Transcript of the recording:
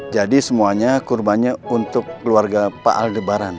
jadi semuanya kurbannya untuk keluarga pak aldebaran